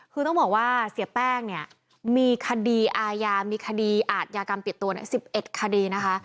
คือต้องบอกว่าเสียแป้งเนี่ยมีคดีอายามีคดีอาทยากรรมติดตัว๑๑คดีนะคะ